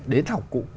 đến học cụ